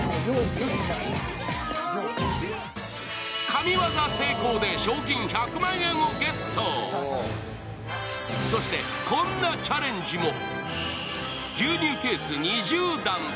神業成功で賞金１００万円をゲットそしてこんなチャレンジも。